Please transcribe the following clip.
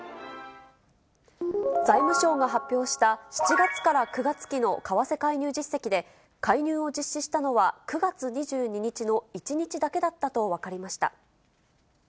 財務省が発表した７月から９月期の為替介入実績で、介入を実施したのは９月２２日の１日だけだったと分かりました。